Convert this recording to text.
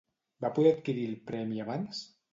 Va poder adquirir el premi abans?